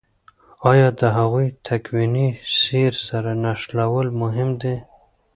آیا د هغوی تکويني سير سره نښلول مهم دي؟